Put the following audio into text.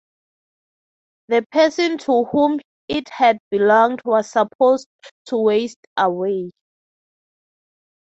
The person to whom it had belonged was supposed to waste away.